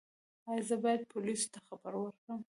ایا زه باید پولیسو ته خبر ورکړم؟